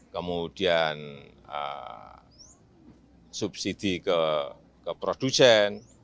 kemudian subsidi ke produsen